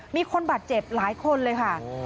มีคนบาดเจ็บหลายคนเลยค่ะ